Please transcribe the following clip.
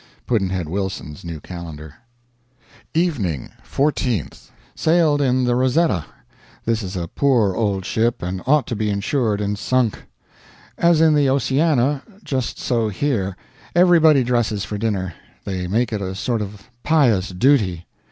Pudd'nhead Wilson's New Calendar. EVENING 14th. Sailed in the Rosetta. This is a poor old ship, and ought to be insured and sunk. As in the 'Oceana', just so here: everybody dresses for dinner; they make it a sort of pious duty.